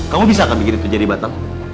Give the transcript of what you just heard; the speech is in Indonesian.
kamu bisa gak bikin itu jadi batam